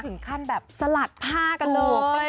ถึงขั้นแบบสลัดผ้ากันเลย